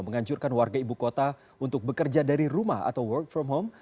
menganjurkan warga ibu kota untuk bekerja dari rumah atau work from home